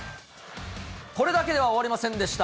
これだけでは終わりませんでした。